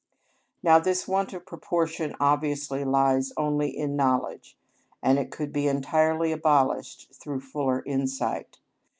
Now this want of proportion obviously lies only in knowledge, and it could be entirely abolished through fuller insight.